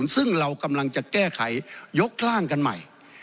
ซึ่งเรากำลังจะแก้ไขยกร่างกันใหม่